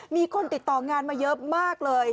มีคนติดต่องานมาเยอะมากเลย